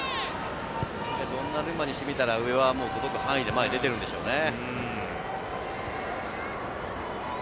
ドンナルンマにしてみたら、上は届く範囲に入ってるんでしょうね。